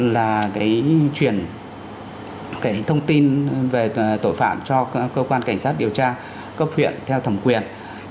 là chuyển kể thông tin về tội phạm cho cơ quan cảnh sát điều tra cấp huyện theo thẩm quyền